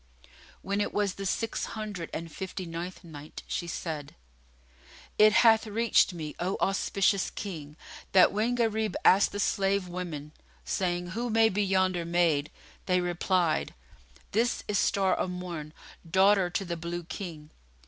When it was the Six Hundred and Fifty ninth Night, She said, It hath reached me, O auspicious King, that when Gharib asked the slave women saying, "Who may be yonder maid," they replied, "This is Star o' Morn, daughter to the Blue King."